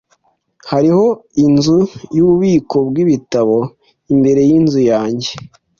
Hariho inzu yububiko bwibitabo imbere yinzu yanjye.